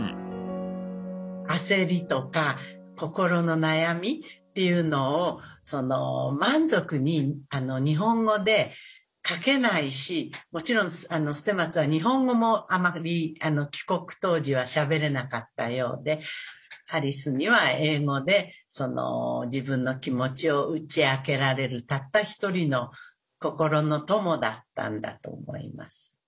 焦りとか心の悩みっていうのを満足に日本語で書けないしもちろん捨松は日本語もあまり帰国当時はしゃべれなかったようでアリスには英語で自分の気持ちを打ち明けられるたった一人の心の友だったんだと思います。